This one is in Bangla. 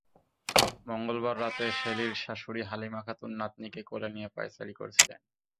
মঙ্গলবার রাতে শেলীর শাশুড়ি হালিমা খাতুন নাতনিকে কোলে নিয়ে পায়চারি করছিলেন।